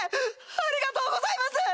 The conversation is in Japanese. ありがとうございます！